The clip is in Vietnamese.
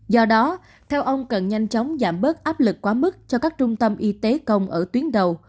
do đó theo ông cần nhanh chóng giảm bớt áp lực quá mức cho các trung tâm y tế công ở tuyến đầu